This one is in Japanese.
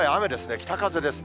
北風です。